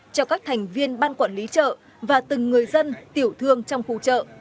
cho các thành viên ban quản lý chợ và từng người dân tiểu thương trong khu chợ